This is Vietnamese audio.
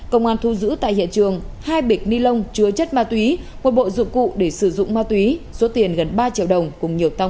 công an thu giữ tại hiện trường hai bịch ni lông chứa chất ma túy một bộ dụng cụ để sử dụng ma túy số tiền gần ba triệu đồng cùng nhiều tăng